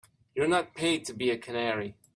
You're not paid to be a canary.